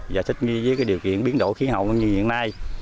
và thích nghi với điều kiện biến đổi khí hậu như hiện nay